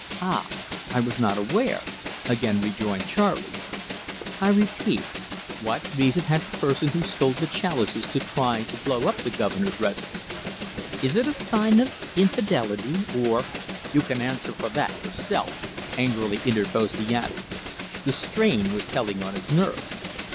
"Ah, I was not aware!" again rejoined Charley. "I repeat, what reason had the person who stole the chalices to try to blow up the Governor's residence? Is it a sign of infidelity, or " "You can answer for that yourself," angrily interposed the Abbe. The strain was telling on his nerves.